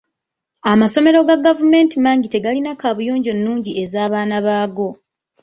Amasomero ga gavument mangi tegalina kabuyonjo nnungi ez'abaana baago.